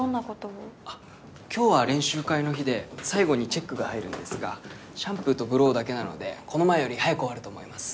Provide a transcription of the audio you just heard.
あっ今日は練習会の日で最後にチェックが入るんですがシャンプーとブローだけなのでこの前より早く終わると思います